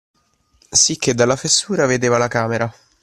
Sicché, dalla fessura, vedeva la camera